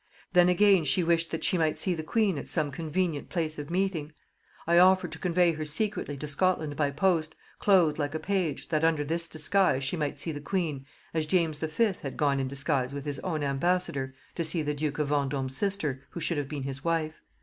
Then again she wished that she might see the queen at some convenient place of meeting. I offered to convey her secretly to Scotland by post, cloathed like a page, that under this disguise she might see the queen, as James V. had gone in disguise with his own ambassador to see the duke of Vendome's sister, who should have been his wife.